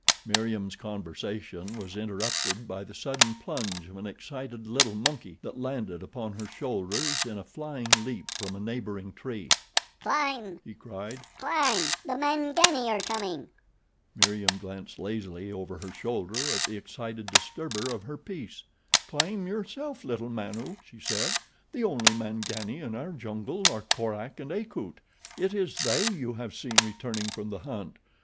Meriem's conversation was interrupted by the sudden plunge of an excited little monkey that landed upon her shoulders in a flying leap from a neighboring tree. "Climb!" he cried. "Climb! The Mangani are coming." Meriem glanced lazily over her shoulder at the excited disturber of her peace. "Climb, yourself, little Manu," she said. "The only Mangani in our jungle are Korak and Akut. It is they you have seen returning from the hunt.